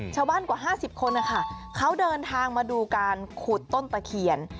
กว่า๕๐คนนะคะเขาเดินทางมาดูการขุดต้นตะเคียน